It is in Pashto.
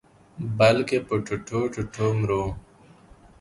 بلکي په ټوټو-ټوټو مرو